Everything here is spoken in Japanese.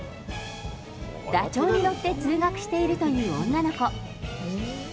ダチョウに乗って通学しているという女の子。